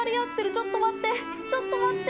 ちょっと待ってちょっと待って！